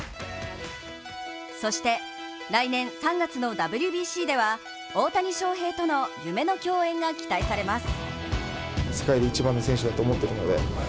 そして、来年３月のＷＢＣでは大谷翔平との夢の共演が期待されます。